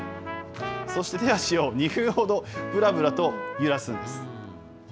そして手足を２分ほどぶらぶらと揺らすんです。